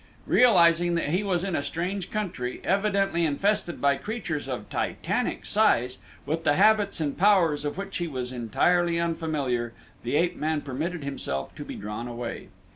Realizing that he was in a strange country, evidently infested by creatures of titanic size, with the habits and powers of which he was entirely unfamiliar, the ape man permitted himself to be drawn away.